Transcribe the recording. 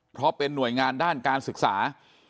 เพราะเป็นหน่วยงานด้านการศึกษา